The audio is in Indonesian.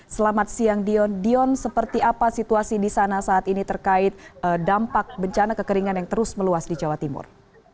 selamat siang dion dion seperti apa situasi di sana saat ini terkait dampak bencana kekeringan yang terus meluas di jawa timur